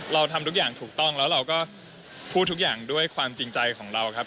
เราทำทุกอย่างถูกต้องแล้วเราก็พูดทุกอย่างด้วยความจริงใจของเราครับ